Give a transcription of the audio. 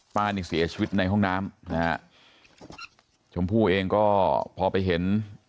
ป้านี่เสียชีวิตในห้องน้ำนะฮะชมพู่เองก็พอไปเห็น